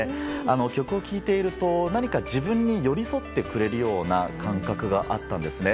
曲を聴いていると何か自分に寄り添ってくれるような感覚があったんですね。